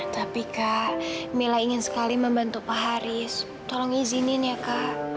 tapi kak mila ingin sekali membantu pak haris tolong izinin ya kak